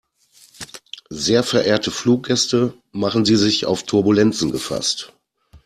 Sehr verehrte Fluggäste, machen Sie sich auf Turbulenzen gefasst.